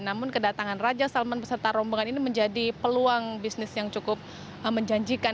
namun kedatangan raja salman beserta rombongan ini menjadi peluang bisnis yang cukup menjanjikan